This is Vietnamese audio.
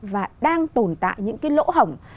và đang tồn tại những cái lỗ hổng